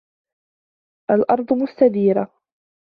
الْأرْضُ مُسْتَدِيرَةٌ.